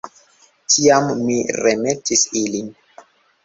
Tiam mi remetis ilin.